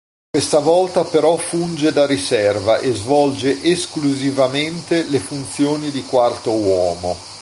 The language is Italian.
Questa volta però funge da riserva e svolge esclusivamente le funzioni di quarto uomo.